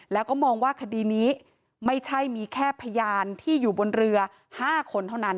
แล้วก็มองว่าคดีนี้ไม่ใช่มีแค่พยานที่อยู่บนเรือ๕คนเท่านั้น